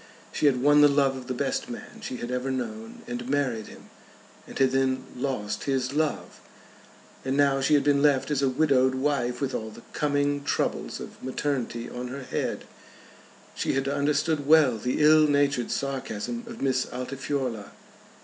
She had won the love of the best man she had ever known, and married him, and had then lost his love! And now she had been left as a widowed wife, with all the coming troubles of maternity on her head. She had understood well the ill natured sarcasm of Miss Altifiorla.